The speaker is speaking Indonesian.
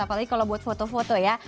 apalagi kalau buat foto foto ya